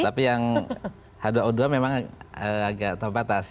tapi yang h dua o dua memang agak terbatas